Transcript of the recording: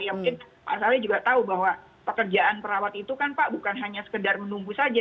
ya mungkin pak saleh juga tahu bahwa pekerjaan perawat itu kan pak bukan hanya sekedar menunggu saja